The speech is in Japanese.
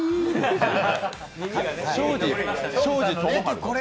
庄司智春の。